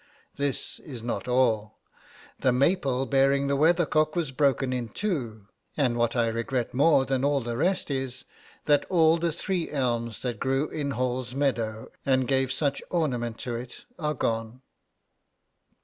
This is not all: the maple bearing the weathercock was broken in two, and what I regret more than all the rest is, that all the three elms that grew in Hall's Meadow, and gave such ornament to it, are gone.'